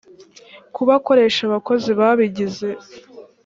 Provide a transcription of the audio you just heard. kuba akoresha abakozi babigize